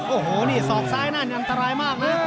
โอ้โหนี่ศอกซ้ายนั่นอันตรายมากนะ